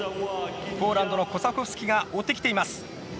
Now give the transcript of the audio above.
ポーランドのコサコフスキが追ってきています。